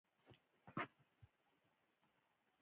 پاسپورټ د نړۍ د دروازو کلي ده.